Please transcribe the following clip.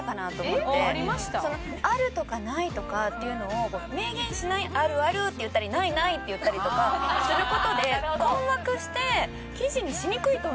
「ある」とか「ない」とかっていうのを明言しない「あるあるぅ！！」って言ったり「ないない！！」って言ったりとかする事で困惑して記事にしにくいと思うんですよ。